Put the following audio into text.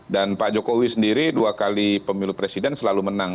dan pak jokowi sendiri dua kali pemilu presiden selalu menang